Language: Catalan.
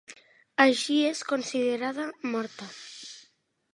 Així és considerada morta.